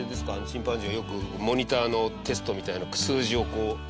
チンパンジーはよく、モニターのテストみたいな数字を、こう。